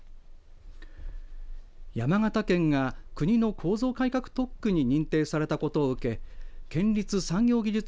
山形県が国の構造改革特区に認定されたことを受け県立産業技術